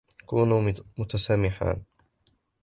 كونا متسامحان.